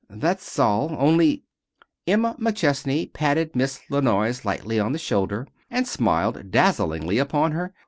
"That's all. Only " Emma McChesney patted Miss La Noyes lightly on the shoulder, and smiled dazzlingly upon her.